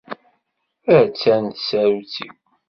Attan tsarut-iw.